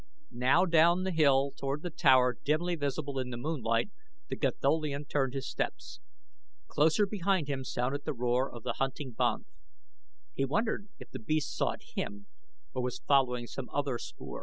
Now down the hill toward the tower dimly visible in the moonlight the Gatholian turned his steps. Closer behind him sounded the roar of the hunting banth. He wondered if the beast sought him or was following some other spoor.